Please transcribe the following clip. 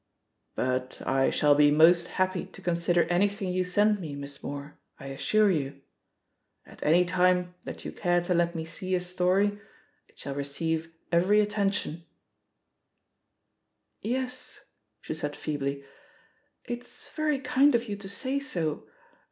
"But I shall be most happy to consider any thing you send me. Miss Moore, I assure you. At any time that you care to let me see a story^ it shall receive every attention." THE POSITION OF PEGGY HARPER «07 Yes/' she said feebly. It's very kind of you to say so